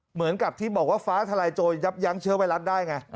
เหมือนกับที่บอกว่าฟ้าทลายโจรยับยั้งเชื้อไวรัสได้ไง